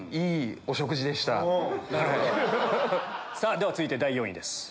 では続いて第４位です。